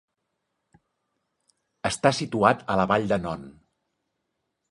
Està situat a la Vall de Non.